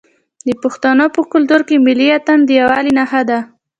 د پښتنو په کلتور کې ملي اتن د یووالي نښه ده.